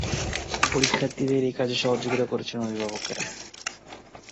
পরীক্ষার্থীদের এ কাজে সহযোগিতা করছেন অভিভাবকেরা।